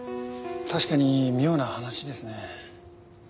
確かに妙な話ですね。